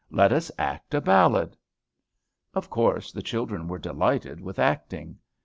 Let us act a ballad." Of course the children were delighted with acting.